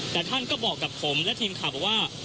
แต่ท่านก็บอกกับผมและทีมข่าวบอกว่า